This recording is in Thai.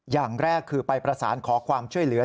อย่างแรกคือไปประสานขอความช่วยเหลือ